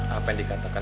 apa yang dikatakan